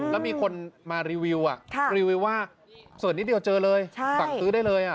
แล้วมีคนมารีวิวรีวิวว่าส่วนนิดเดียวเจอเลยสั่งซื้อได้เลย